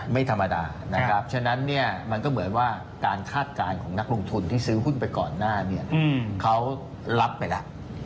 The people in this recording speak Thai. ไม่ธรรมดานะครับฉะนั้นเนี่ยมันก็เหมือนว่าการคาดการณ์ของนักลงทุนที่ซื้อหุ้นไปก่อนหน้าเนี่ยเขารับไปแล้ว